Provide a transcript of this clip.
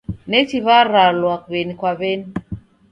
Nachi w'aralwa w'eni kwa w'eni.